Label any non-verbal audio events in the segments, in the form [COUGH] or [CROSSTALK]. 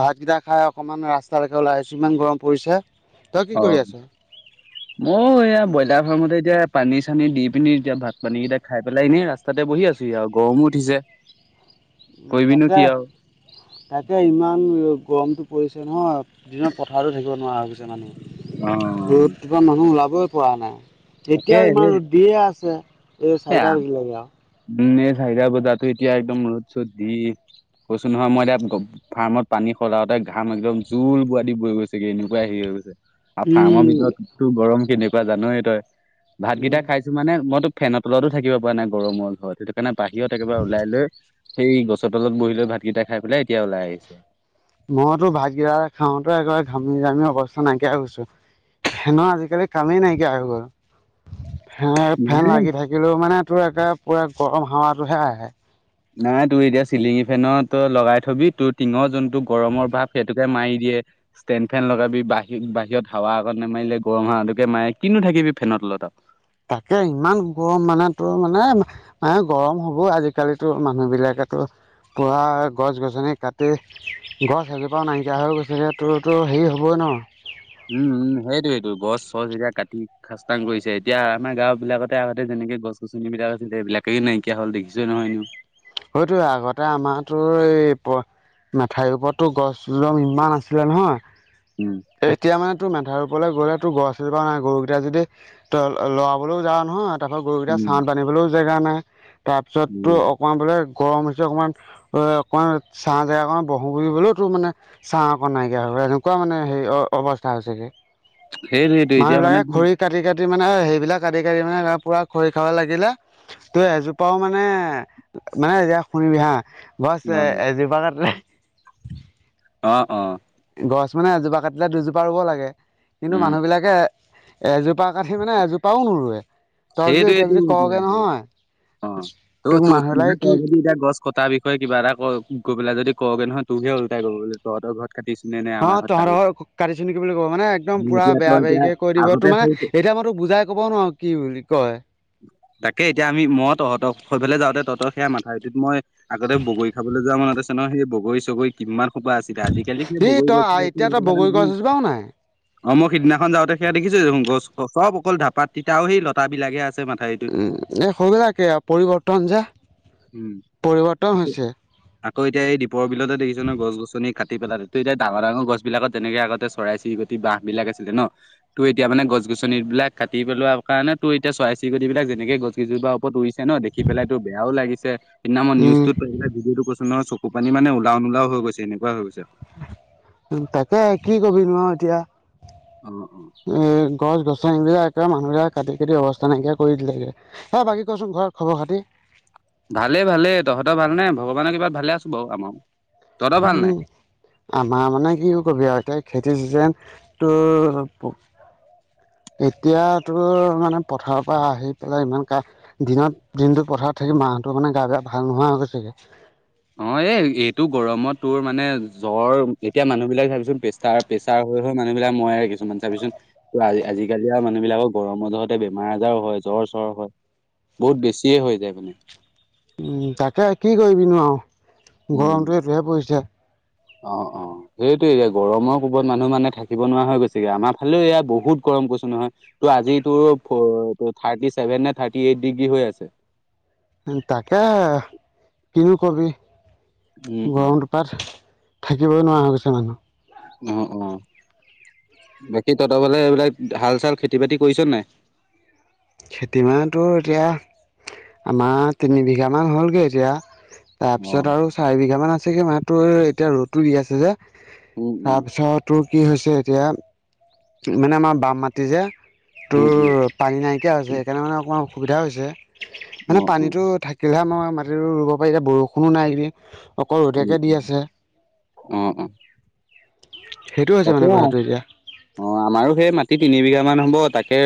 ভাতকেইটা খাই অকমান ৰাস্তালৈকে ওলাই আহিছোঁ ইমান গৰম পৰিছে। তই কি কৰি আছ অ', মই এয়া ব্ৰইলাৰ ফাৰ্মতে এতিয়া পানী চানী দি পিনি এতিয়া ভাত পানী কেইটা খাই পেলাই এনেই ৰাস তাতে বহি আছোঁ হি আৰু গৰমো উঠিছে। কৰিবিনো তাকে, কি আৰু তাকে ইমান গৰমটো পৰিছে নহয়। দিনৰ পথাৰতো থাকিব নোৱাৰা হৈ গৈছে মানুহ অ', ৰ'দটো পৰা মানুহ ওলাবই পৰা নাই, তাকে এতিয়াও এই ইমান ৰ'দ দিয়ে আছে। এই এ চাৰিটা বাজি লেগে আৰু উম, এ চাৰিতা বজাতো এতিয়া একদম ৰ'দ চ'দ দি কৈছো নহয় মই এতিয়া গম ফাৰ্মত পানী সলাওঁতে ঘাম একদম জোল বোৱা দি বৈ গৈছেগে এনেকুৱাই হেৰি হৈ গৈছে। আৰু ফাৰ্মৰ উম ভিতৰতটো গৰম কেনেকুৱা জানয়ে তই, উম ভাতকেইটা খাইছো মানে মইতো ফেনৰ তলতো থাকিব পৰা নাই গৰম হ'ল হয় সেইটো কাৰণে বাহিৰত একেবাৰে ওলাই লৈ সেই গছৰ তলত বহি লৈ ভাতকেইটা খাই পেলাই এতিয়া ওলাই আহিছো মইতো ভাত কেইটা খাওঁতে একেবাৰে ঘামি জামি অৱস্থা নাইকিয়া হৈছো। ফেনৰ আজিকালি কামেই নাইকিয়া হৈ গল। ফে ফেন লাগি থাকিলেও মানে তোৰ একে পুৰা গৰম হাৱাটোহে আহে। নাই তই এতিয়া চিলিঙি ফেনত লগাই থবি তোৰ টিঙৰ যোনটো গৰমৰ ভাৱ সেইটোকে মাৰি দিয়ে। ষ্টেণ্ড ফেন লগাবি বাহিৰত বাহিৰত হাৱা আকনমান নাৰিলে, গৰম হাৱাতোকে মাৰে কিনো থাকিবি ফেনৰ তলত আৰু। তাকে ইমান গৰম মানে তোৰ মানে মান গৰম হ'ব আজিকালিতো মানুহ বিলাকেতো পুৰা গছ গছনি কাটি গছ এজিপাও নাইকিয়া হৈ গৈছে তোৰতো হেৰি হ'বই ন'। উম, উম, সেইটোৱোটো গছ চচ এতিয়া কাটি খাস্তাং কৰিছে, এতিয়া আমাৰ গাঁও বিলাকতে আগতে যেনেকে গছ গছনিবিলাক আছিল, সেইবিলাকে নাইকিয়া হ'ল দেখিছৈ নহয় এনেও। সেইটোৱে আগতে আমাৰতো এই প মাথাউৰি ওপৰততো গছবিলাক ইমান আছিলে নহয় উম। এতিয়া মানে তোৰ মেধাৰ ওপৰলৈ গ'লে তোৰ গছ এজোপা নাই গৰুকেইটা যদি ত লৰাবলৈও যাৱ নহয় তাৰ পৰা গৰুকেইটা উম চাঁত বান্ধিবলৈও জেগা নাই, তাৰ পিছতো উম অ' অকমান বোলে গৰম হৈছে অকণমান অ' অকণমান ছাঁ জেগা অকণ বহো বুলিলেও তো মানে ছাঁ অকন নাইকিয়া হৈ এনেকুৱা মানে হে অৱস্থা হৈছেগে। সেইটোৱেইটো মানুহ এতিয়া মানে বিলাকে তোৰ খৰি কাটি কাটি মানে সেইবিলাক কাটি কাটি মানে পুৰা খৰি খাব লাগিলে তো এজোপাও মানে মানে এতিয়া শুনিবি হা গছ অ এজোপা কাটলে অ', অ '। গছ মানে এজোপা কাটিলে দুজোপা ৰুব লাগে। কিন্তু উম মানুহ বিলাকে এজোপা কাঠি মানে এজোপাও নুৰোৱে। সেইটোয়েইেটো এতিয়াটো অ' তই তোক ত মানে মানুহবিলাকে কি তই যদি এতিয়া গছ কটাৰ বিষয়ে কিবা এটা ক গৈ পেলাই যদি কওঁগৈ নহয় তোকহে ওলটাই ক'ব বোলে তহঁতৰ ঘৰত কাটিছো নে নে অ আমাৰ ঘৰত তহঁতৰ কাটি ঘৰৰ কাটিছো নেকি বুলি ক'ব, মানে একদম পুৰা এতিয়া বেয়া তই এতিয়া বেৰিকে কৈ দিব। আগতে তোৰ মানে সেই এতিয়া মইতো বুজাই ক'ব নোৱাৰোঁ কি বুলি কয়। তাকে এতিয়া আমি মই তহঁতৰ সৈ ফালে যাওঁতে তহঁতৰ সেয়া মাথাউৰিটোত মই আগতে বগৰী খাবলৈ যোৱা মনত আছে নহয়, সেই বগৰী চগৰী কিমান সোপা আছিলে, আজিকালি ই বগৰী তই গছ বিলাক এতিয়া তই ম বগৰী নাই। গছ এজোপাও নাই অ' মই সিদিনাখন যাওঁতে সেয়া দেখিছো যে গছ চব অকল ঢাপাত তিতাও সেই লতা বিলাকে আছে। মাথাউৰিটোত এই সবিলাকে আৰু পৰিৱৰ্তন যে উম পৰিৱৰ্তন হৈছে। আকৌ এতিয়া এই দীপৰ বিলতে দেখিছ নহয় গছ গছনি কাটি পেলালে, এতিয়া ডাঙৰ ডাঙৰ গছ বিলাকত যেনেকে আগতে চৰিই চিৰিকতি তি বাঁহ বিলাক আছিলে ন, তো এতিয়া মানে গছ গছন বিলাক কাটি পেলোৱা কাৰণে তো এতিয়া চৰাই চৰিকতি বিলাক যেনেকে গছ কেইজোৰপা ওপৰত উৰিছে ন দেখি পেলাই ত বেয়াও লাগিছে সদিনা মই উম নিউজটোত পাই পেলাই ভিডিঅটো চাই মানে চকুৰ পানী ওলও নোলাওহৈ গৈছে এনেকুৱ হৈ গৈছে। উ তাকে কি কবি ন এতিয়া। উম, উম। এ গছ গছনি বিলাক একে মানুহবিলাকে কাটি কাটি অৱস্থা নাইকিয়া কৰি দিলেগে। হ বাকী কচোন ঘৰত খবৰ খাতি? ভালে ভালে তহঁতৰ ভালনে ভগৱানৰ কৃপাত ভালে আছো বাৰু আমাৰো। তহঁতৰ ভাল নাই? উম। আমাৰ মানে কি কবি আৰু এতিয়া খেতি চিজন, তোৰ এতিয়াতোৰ মানে পথাৰৰ পৰা আহি পেলাই ইমান কা দিনত দিনটোত পথাৰত থাকি মাহ'তৰ মানে গা বোৰ ভাল নোহোৱা হৈ গৈচেগে। অ' এ এইটো গৰমত তোৰ মানে জ্বৰ, এতিয়া মানুহ বিলাক ভাবিচোন তাৰ প্ৰেছাৰ হৈ হৈ মানুহবিলাক মৰাহে দেখিছো, মানে চাবিচোন ত আজি আজিকালি আৰু মানুহ বিলাকৰ গৰমৰ জহতে বেমাৰ আজাৰো হয় জ্বৰ চ্বৰ হয়। বহুত বেছিয়ে হৈ যায় মানে। তাকে কি কৰিবনো আৰু উম, গৰমটো এইটোহে পৰিছে। অ', অ'। সেইটোয়েটো এতিয়া গৰমৰ কোবত মানুহ মানে থাকিব নোৱাৰা হৈ গৈছেগে, আমাৰ ফালেও এয়া বহুত গৰম কৈছো নহয়। ত আজি তো থাৰ্টি ছেভেন নে থাৰ্টি এইট ডিগ্ৰী হৈ আছে। তাকে কিনো কবি উম, উম, গৰমটোৰ পা থা থাকিবই নোৱাৰা হৈ গৈছে মানুহ। অ', অ' বাকী তহ'তৰ ফালে এইবিলাক হাল চাল খেতি বাতি কৰিছ নাই? খেতি মানে তোৰ এতিয়া আমাৰ তিনি বিঘামান হ'লগৈ এতিয়া। অ' তাৰপিছত আৰু চাৰি বিঘা মান আছেগে মানো এতিয়া ৰ'দটো দি আছে যে, উম, উম, তাৰপিছত তোৰ কি হৈছে এতিয়া মানে আমাৰ বাম মাটি যে উম, উম, তোৰ পানী নাইকিয়া হৈছে, সেইকাৰণে মানে অকণমান অসুবিধা হৈছে। মানে অ' অ' পানীটো থাকিলেহে আমাৰ মাটিতো ৰুব পাৰি, এতিয়া বৰষুণো নাই এই অকল উম, ৰ'দকে দি উম। আছে, অ অ সেইটো হৈছে তাকে মানে কথাটো এতিয়া। অ' আমাৰো সেই মাটি তিনি বিঘা মান হ'ব তাক সে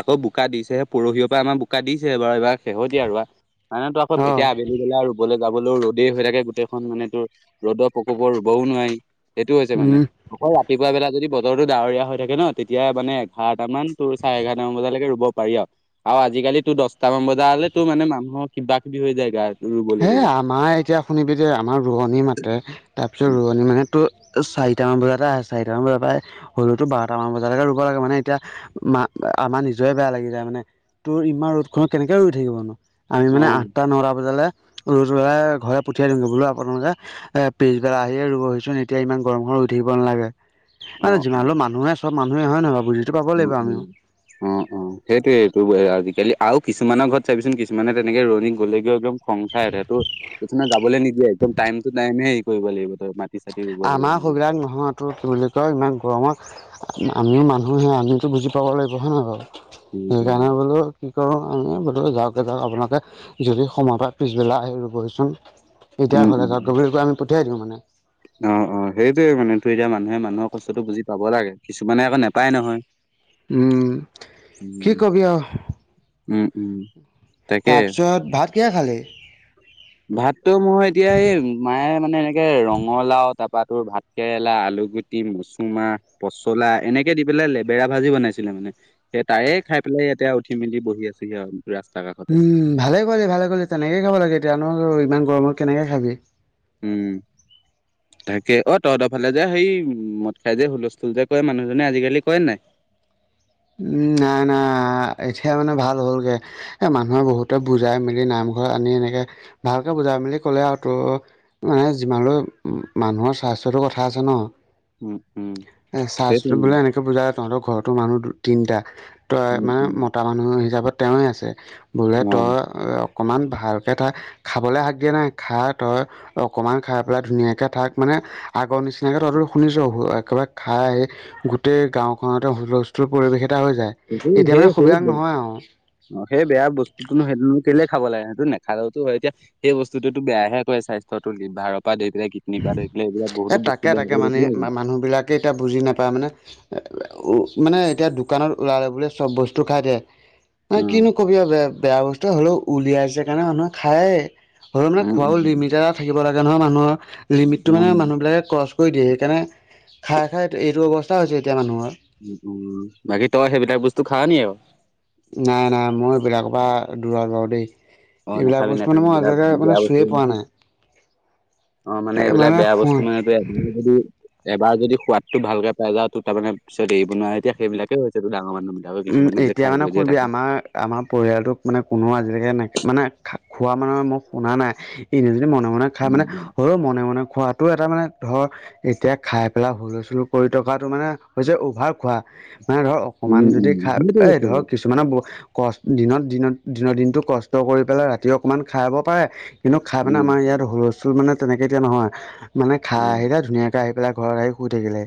আকৌ বোকা দিছেহে, পৰহি পৰা আমাৰ বোকা দিছে বাৰু এইবাৰ শেহতীয়া ৰোৱা। মানেতো আকৌ অ এতিয়া, আবেলি বেলা ৰোবলৈ যাব। ৰোৱলেও ৰ'দেই হৈ থাকে। গোটেই খন মানে তোৰ ৰ'দৰ প্ৰকোপত ৰোৱও নোৱাৰি। সেইটো হৈছে মানে। উম অকল ৰাতিপুৱা বেলা যদি বতৰটো ডাৱৰীয়া হৈ থাকে ন তেতিয়া মানে, এঘাৰটাম মান তোৰ চাৰে এঘাৰটামান বজালৈকে ৰোৱ পাৰি আৰু, আৰু আজিকালি তোৰ দহটামান বজা হ'লে তো মানে মানুহৰ কিবা কিবি হৈ যায় গাৰ হে, আমাৰ এতিয়া শুনিবি দে, আমাৰ ৰোৱনি মাতে। তাৰপিছত ৰোৱনি মানে তোৰ চাৰিটামান বজাতে আহে, চাৰিটামান বজাৰ পৰাই হ'লেওতো বাৰটা মান বজালৈকে ৰুব লাগে, মানে এতিয়া মা আমাৰ নিজয়ে বেয়া লাগি যায় মানে। তোৰ ইমান ৰ'দ খনত কেনেকে ৰৈ থাকিবানো আমি অ মানে আঠটা নটা বজালে ৰ'দ ওলালে ঘৰলে পঠিয়াই দিওঁগৈ বোলো আপোনালোকে এ, পিছবেল আহিয়ে ৰুবহিচোন, এতিয়া ইমান গৰম খনত ৰোই থাকিব নালাগে। অ মানে যিমান হ'লেও মানুহে চব মানুহে হয় নহয় বাৰু বুজি উম্ উম্। অ' অ' সেইটোয়েই টো আজিকালি আৰু কিছুমানৰ ঘৰত চাবিচোন, কিছুমানে তেনেকে ৰোৱনি গ'লেগেও একদম খং খাই উঠে। টোৰ কিছুমানে যাবলৈ নিদিয়ে, একদম টাইম টু টাইমে হেৰি কৰিব লাগিব তই চাটি ৰুব লাগিব। আমাৰ মেলিব। সেইবিলাক নহয়। টোৰ কি বুলি কয়, ইমান গৰমত আমিও মানুহে আমিতো বুজি পাব লাগিব। হয় নহয় বাৰু উম, উম, সেইকাৰণে বোলো কি কৰোঁ আমি বোলো যাওঁগে যাওঁক আপোনালোকে যদি সময়ৰ পিছবেলা আহি ৰুবহিচোন। এতিয়া উম, ঘৰলে উম। জকগে বুলি আমি পঠিয়াই দিওঁ মানে। অ' অ' সেইটোয়ে মানে, এতিয়া মানুহে মানুহৰ কষ্টটো বুজি পাব লাগে। কিছুমানে নাপায় নহয়। উম, উ কি কবি আৰু উম্ উম্। তাৰপিছত ভাত কিহে খালি? ভাততো মই এতিয়া এই, মায়ে মানে এনেকে ৰঙালাও তাৰপা তোৰ ভাত কেৰেলা, আলুগুটি, মচুমা, পচলা এনেকে দি পেলাই লেবেৰা ভাজি বনাইছিলে মানে। সেই তাইে খাই পেলাই এতিয়া উঠি মেলি বহি আছোহি আৰু ৰাস্তা কাষত। উম্ ভালে কোৰিলি ভালে কৰিলি তেনেকে খাব লাগে। এতিয়া নো ইমান গৰমত কেনেকে খাবি। উম্। তাকে অ' তহঁতৰ ফালে যে হেৰী মদ খাই যে, হুলস্থুল যে কৰে মানুহজনে, আজিকালি কৰে‌ নাই? উম্ না না এতিয়া মানে ভাল হ'লগে। এ, মানুহে বহুতে বুজাই মেলি নামঘৰত আনি এনেকে ভালকে বুজাই মেলি ক'লে আৰু তোৰ মানে যিমান হ'লও মানুহৰ স্বাস্থ্যটো কথা আছে ন। উম, উম, এ সেইটোৱে স্বাস্থ্যটো বোলে এনেকে বুজালে তহঁতৰ ঘৰতো মানুহ দু তিনিটা, তই উম, মানে, উম। মতা মানুহ হিচাপত তেওঁৱেই আছে। বোলে অ, তই অকণমান ভালকৈ থাক। খাবলৈ হাক দিয়া নাই, খা তই অকমান খাই পেলাই ধুনীয়াকে থাক মানে। আগৰ নিচিনাকে তহঁতেটো শুনিছ, একেবাৰে খাই গোটেই গাওঁখনতে হুলহূল পৰিৱেশ এটা হৈ যায়, সেই এতিয়া সেই মানে সবিলাক সেই নহয় আৰু। অ', সেই বেয়া বস্তুটোনো সেইটোনো কেলেই খাব লাগে, সেইটোনো নেখালেও টো হয়। এতিয়া সেই বস্তুতোৱেটো বেয়াহে কৰে স্বাস্থ্যটো, লিভাৰৰ পৰা ধৰি পেলাই কি কিডনি পৰা ধৰি পেলাই, এইবিলাক বহুতো বস্তু বেন কৰি দিছিলে নেকি। কেইটা বুজি নাপায় মানে উম, মানে এতিয়া দোকানত ওলালে বুলিয়েই চব বস্তু খাই দিয়ে। ন উম কিনো কবি আৰু বেয়া, বেয়া বস্তু হ'লেও উলিয়াইছে কাৰণে মানুহে খায়েই। হ'লেও মানে উম খোৱাৰো উম লিমিট এটা থাকিব লাগে নহয় মানুহৰ, লিমিটটো মানে উম মানুহবিলাকে ক্ৰচ কৰি দিয়ে, সেইকাৰণে খাই খাই এইটো অৱস্থা হৈছে এতিয়া মানুহৰ। উম, উম, বাকী তই সেইবিলাক বস্তু খাৱ নি আকৌ? নাই নাই, মই এইবিলাকৰ পৰা দূৰত বাৰু দেই। অ এইবিলাক নাখাবি বস্তু মানে নাখাবি মই এইবিলাক আজিলৈকে মানে বেয়া বস্তু চুইয়েই পোৱা নেকি। নাই। অ', মানে এইবিলাক বেয়া বস্তু মানে তই এদিনো যদি এবাৰ যদি সোৱাদটো ভালকে পাই যাও, তোৰ তাৰমানে পিছত এৰিব নোৱাৰে, এতিয়া সেইবিলাকেই হৈছেটো ডাঙৰ মানুহৰ। উম, এতিয়া মানে শুনবি আমাৰ আমাৰ পৰিয়ালটোক মানে কোনো আজিলৈকে নে মানে খা খোৱা মানে মই শুনা নাই। ইনে যদি মনে মনে খাই উম মানে, হলেও মনে মনে খোৱা টো এটা মানে ধৰ এতিয়া খাই পেলাই হুলষ্টোল কৰি থকাটো মানে হৈছে অভাৰ খোৱা। মানে ধৰ। অকমান উম, যদি উম, উম। খাই এই সেইটোৱেইতো ধৰক কি কিছুমানে ক দিনত দিনত দিনৰ দিনটো কষ্ট কৰি পেলাই ৰাতি অকমান খাব পাৰে। কিন্তু খাই মানে উম আমাৰ ইয়াত হুলস্থুল মানে তেনেকৈ এতিয়া নহয়, মানে খাই উম আহিলে ধুনীয়াকে আহি পেলাই ঘৰত আহি শুই থাকিলে।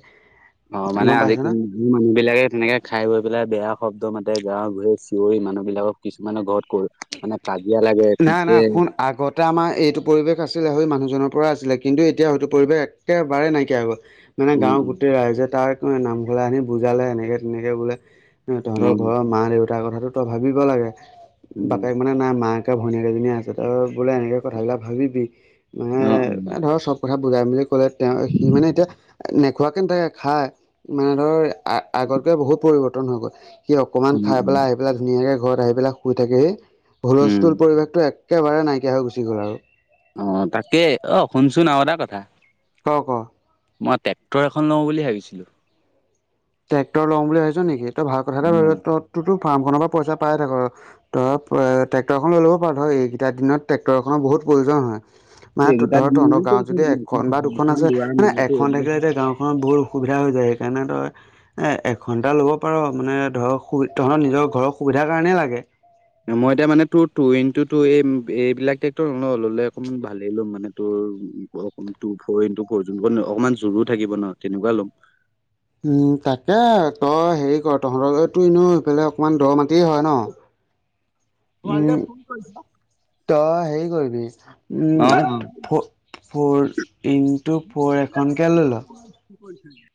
অ', মানে গম আজি পাইছ না মানুহ বিলাকে তেনেকে খাই গৈ পেলাই বেয়া শব্দ মাতে, গাঁৱত ঘূৰে চিঞৰি মানুহবিলাকক কিছুমানৰ ঘৰত গৈ মানে কাজিয়া লাগে। না-না পিতে শুন। আগতে আমাৰ এইটো পৰিৱেশ আছিলে, সৈ মানুহজনৰ পৰা আছিলে। কিন্তু এতিয়া সেইটো পৰিৱেশ একেবাৰে নাইকিয়া হৈ গ'ল। মানে উম গাঁওৰ গোটেই ৰাইজে তাক নামঘৰলে আনি বুজালে, এনেকে তেনেকে বোলে। তহঁতৰ উম ঘৰৰ মা দেউতাৰ কথাটো তই ভাবিব লাগে, উম উম বাপেক মানে নাই মাক ভনীয়েক এজনীয়ে আছে, তই বোলে এনেকে কথাবিলাক ভাবিবি, মানে অ উম ধৰক চব কথা বুজাই মেলি ক'লে, তেওঁ সি মানে এতিয়া নেখোৱাকে নথাকে খায়, মানে ধৰ আ আগতকে বহুত পৰিৱৰ্তন হৈ গ'ল, সি অকমান উম খাই উম পেলাই আহি বিলাক ধুনীয়াকে ঘৰত আহি পেলাক শুই থাকেহি, উম হুলস্থুল পৰিৱেশটো একেবাৰে নাইকিয়া হৈ গুচি গ'ল আৰু। অ', তাকেই। অ', শুনচোন আৰু এটা কথা। ক, ক? মই ট্ৰেক্টৰ এখন লওঁ বুলি ভাবিছিলোঁ। ট্ৰেক্টৰ লও বুলি ভাবিছ নেকি? তই ভাল কথা এটা উম ভাবিছ। তোৰতো ফাৰ্মখনৰ পৰা পইচা পায়েই থাক। ত ট্ৰেক্টৰখন লৈ ল'ব পাৰোঁ। ধৰ, এইকেইটা দিনত ট্ৰেক্টৰখনৰ বহুত প্ৰয়োজন হয়। মানে তোৰ এইকেইটা ধৰ দিন তহঁতৰ গাঁৱত যদি এখন বা দুখন আছে, দুৱাৰ মানে মিলাটো এখন এইবিলাক থাকিলে যেতিয়া গাঁওখনত বহুত অসুবিধা হৈ যায়, সেইকাৰণে তই এ এঘণ্টা ল'ব পাৰ, মানে ধৰক তহঁত নিজৰ ঘৰৰ সুবিধাৰ কাৰণেই লাগে। মই এতিয়া মানে তোৰ তু ইনটু তু এই এইবিলাক ট্ৰেক্টৰ, ল'লে অকমান ভালেই লম। মানে তোৰ তোৰ ফৰ ইনটু ফৰ, যোনখন অকমান জোৰো থাকিব ন, তেনেকুৱা ল'ম। উম, তাকে তই হেৰি কৰ তহঁতৰ এইটো এফালে অকণমান দ মাটিয়েই হয় ন। ালদাত উম ফোন কৈছ [UNINTELLIGIBLE] তই হেৰি কৰিবি অ', উম, ফ'ৰ ইণ্টু ফ'ৰ এখনকে লৈ ল। কি কৰিছা?